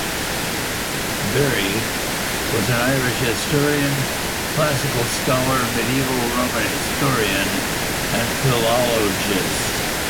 Bury, was an Irish historian, classical scholar, Medieval Roman historian and philologist.